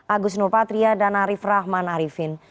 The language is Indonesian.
agus nurpatria dan arief rahman arifin